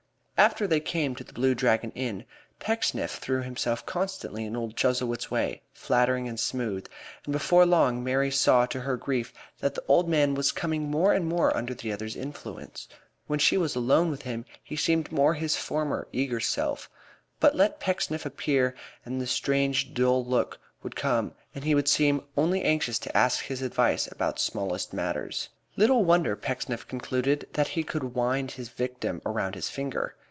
After they came to The Blue Dragon Inn, Pecksniff threw himself constantly in old Chuzzlewit's way, flattering and smooth, and before long Mary saw, to her grief, that the old man was coming more and more under the other's influence. When she was alone with him he seemed more his former eager self; but let Pecksniff appear and the strange dull look would come and he would seem only anxious to ask his advice about the smallest matters. Little wonder Pecksniff concluded he could wind his victim around his finger.